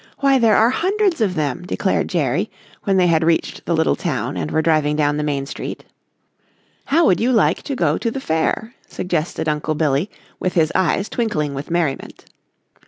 Why, there are hundreds of them," declared Jerry, when they had reached the little town and were driving down the main street. "How would you like to go to the fair?" suggested Uncle Billy with his eyes twinkling with merriment.